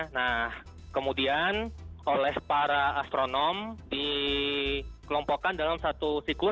nah kemudian oleh para astronom dikelompokkan dalam satu sikur